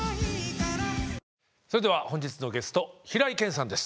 それでは本日のゲスト平井堅さんです